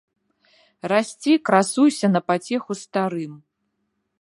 Расці, красуйся на пацеху старым.